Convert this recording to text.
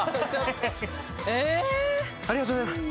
ありがとうございます。